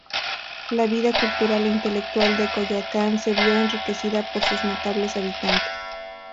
La vida cultural e intelectual de Coyoacán se vio enriquecida por sus notables habitantes.